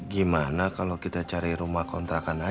gimana kalo kita cari rumah kontrakan aja ya